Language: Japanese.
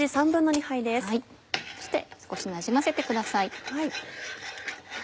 そして少しなじませてください。